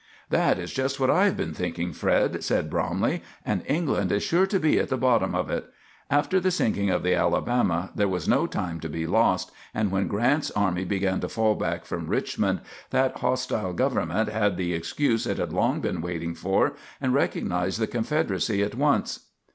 "That is just what I have been thinking, Fred," said Bromley, "and England is sure to be at the bottom of it. After the sinking of the 'Alabama' there was no time to be lost, and when Grant's army began to fall back from Richmond, that hostile government had the excuse it had long been waiting for, and recognized the Confederacy at once."